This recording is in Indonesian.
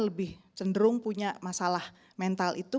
lebih cenderung punya masalah mental itu